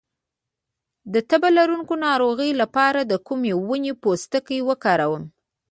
د تبه لرونکي ناروغ لپاره د کومې ونې پوستکی وکاروم؟